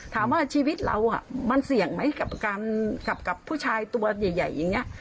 ถามว่าชีวิตเรามันเสี่ยงไหมกับการกลับกับผู้ชายตัวใหญ่อย่างนี้